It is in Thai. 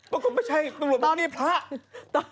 ก็คือไม่ใช่ตำรวจบอกว่านี่ผ้า